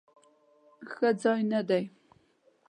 ښه ځای نه دی؟